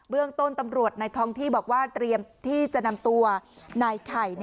เรื่องต้นตำรวจในท้องที่บอกว่าเตรียมที่จะนำตัวนายไข่